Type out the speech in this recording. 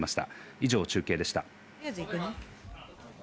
以上、中継でした。